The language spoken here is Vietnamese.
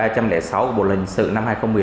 của bộ lệnh sự năm hai nghìn một mươi năm